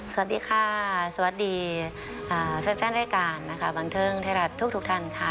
สวัสดีค่ะสวัสดีแฟนรายการนะคะบันเทิงไทยรัฐทุกท่านค่ะ